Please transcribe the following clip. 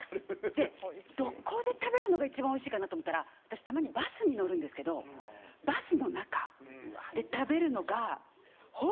でどこで食べるのが一番美味しいかなと思ったら私たまにバスに乗るんですけどバスの中で食べるのがホントに美味しくて。